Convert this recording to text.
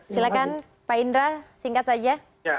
silahkan pak indra singkat saja